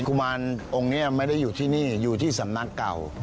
กุมารองค์นี้ไม่ได้อยู่ที่นี่อยู่ที่สำนักเก่า